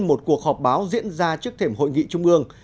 một cuộc họp báo diễn ra trước thềm hội nghị trung ương